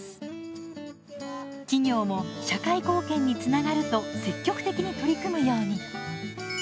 企業も社会貢献につながると積極的に取り組むように。